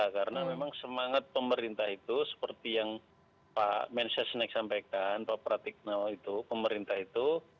karena memang semangat pemerintah itu seperti yang pak mensesnek sampaikan pak pratikno itu